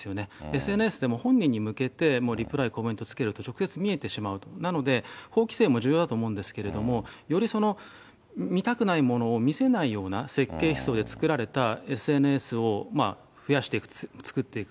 ＳＮＳでも本人に向けてリプライ、コメントをつけてしまうと、本人に見えてしまう、なので、法規制も重要だと思うんですけど、より見たくないものを見せないような設計思想で作られたＳＮＳを増やして、作っていく。